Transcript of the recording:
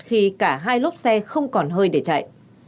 khi cả hai lốp xe không còn hơi để chạy